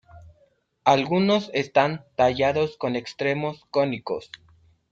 Algunos están tallados con extremos cónicos.